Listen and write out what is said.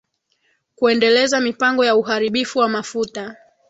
Kuendeleza mipango ya uharibifu wa mafuta